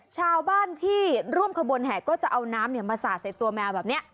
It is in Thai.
ชาวบ้านที่ร่วมคบวนแหก็จะจะเอาน้ำเนี่ยมาสาดในตัวแมวแบบเนี้ย